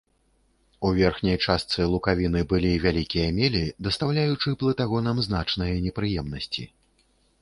У верхняй частцы лукавіны былі вялікія мелі, дастаўляючы плытагонам значныя непрыемнасці.